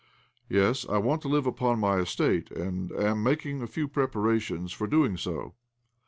"Yes. I want to live upon my estate, and am making a few preparations for doing so."